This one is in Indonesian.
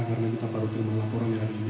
karena kita baru terima laporan hari ini